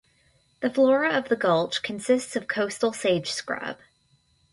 The flora of the gulch consists of coastal sage scrub.